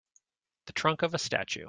The trunk of a statue.